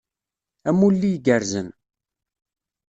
Amulli igerrzen.